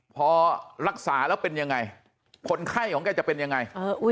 พอรักษาแล้วเป็นยังไงคนไข้ของแกจะเป็นยังไง